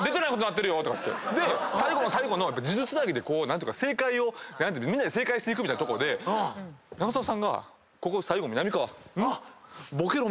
最後の最後の数珠つなぎでみんなで正解していくみたいなとこで山里さんがここ最後みなみかわ。